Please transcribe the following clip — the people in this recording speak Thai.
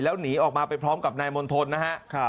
แล้วหนีออกมาไปพร้อมกับนายมณฑลนะฮะ